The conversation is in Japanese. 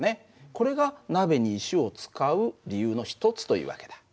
これが鍋に石を使う理由の一つという訳だ。